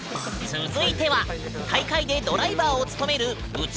続いては大会でドライバーを務める部長の謡口くん！